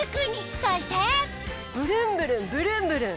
そしてブルンブルンブルンブルン！